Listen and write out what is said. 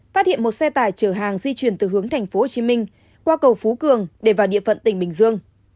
phát hiện một xe tải chở hàng di chuyển từ hướng tp hcm qua cầu phú cường để vào địa phận tỉnh bình dương